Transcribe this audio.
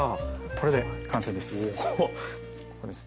これで完成です。